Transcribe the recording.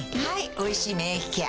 「おいしい免疫ケア」